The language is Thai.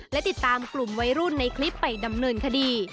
และติดตามกลุ่มวัยรุ่นในคลิปไปดำเนินคดี